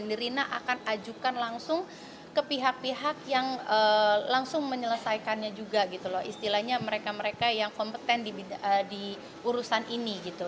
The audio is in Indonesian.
nirina akan ajukan langsung ke pihak pihak yang langsung menyelesaikannya juga gitu loh istilahnya mereka mereka yang kompeten di urusan ini gitu